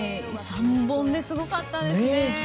３本目、すごかったですね。